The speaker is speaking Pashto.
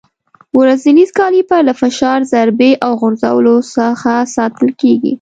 ورنیز کالیپر له فشار، ضربې او غورځولو څخه ساتل کېږي.